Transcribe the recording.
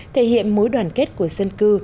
thể hiện mối đoàn kết của dân cư